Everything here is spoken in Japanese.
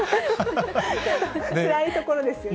つらいところですよね。